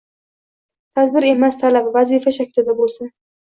Tadbir emas talab, vazifa shaklida boʻlsin.